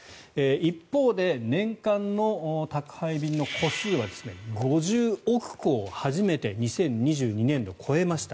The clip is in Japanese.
一方で年間の宅配便の個数は５０億個を初めて２０２２年度超えました。